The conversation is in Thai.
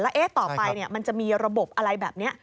แล้วต่อไปเนี่ยมันจะมีระบบอะไรแบบนี้